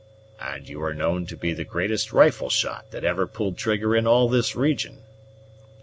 "And you are known to be the greatest rifle shot that ever pulled trigger in all this region."